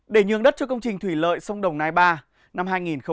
để nhường đất cho công trình thủy lợi sông đồng nai ba năm hai nghìn hai mươi